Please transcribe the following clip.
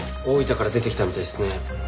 大分から出てきたみたいですね。